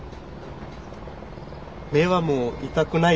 目はもう痛くないですか？